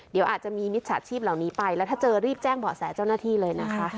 เดี๋ยวอาจจะมีมิจฉาชีพเหล่านี้ไปแล้วถ้าเจอรีบแจ้งเบาะแสเจ้าหน้าที่เลยนะคะ